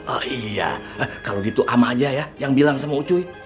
oh iya kalau gitu sama aja ya yang bilang sama ucuy